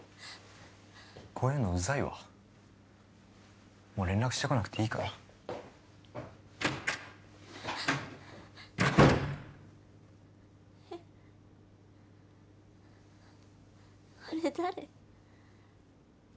こういうのうざいわもう連絡してこなくていいからえっあれ誰？